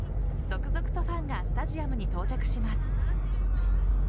続々とファンがスタジアムに到着します。